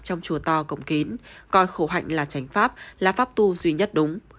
trong chùa to công kín coi khổ hạnh là tránh pháp là pháp tu duy nhất đúng